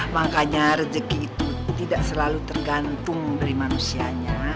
makanya rezeki itu tidak selalu tergantung dari manusianya